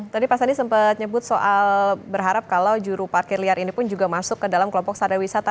tadi pak sandi sempat nyebut soal berharap kalau juru parkir liar ini pun juga masuk ke dalam kelompok sadar wisata